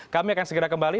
kami akan segera kembali